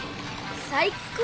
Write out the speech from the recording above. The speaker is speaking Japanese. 最高！